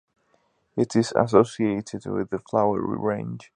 It is associated with the Flowery Range.